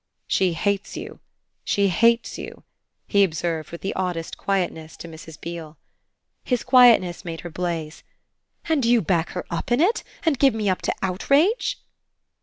"She hates you she hates you," he observed with the oddest quietness to Mrs. Beale. His quietness made her blaze. "And you back her up in it and give me up to outrage?"